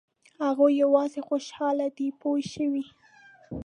هغوی یوازې خوشاله دي پوه شوې!.